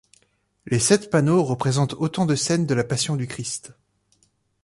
Les sept panneaux représentent autant de scènes de la Passion du Christ.